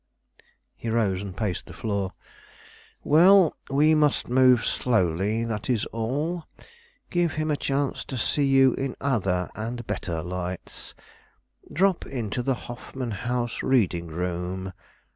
He rose and paced the floor. "Well, we must move slowly, that is all. Give him a chance to see you in other and better lights. Drop into the Hoffman House reading room.